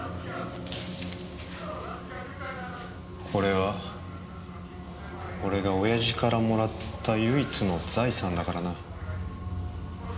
これは俺がオヤジからもらった唯一の財産だからな。